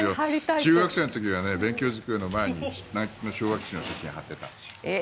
中学生の時は勉強机の前に昭和基地の写真を貼っていたんです。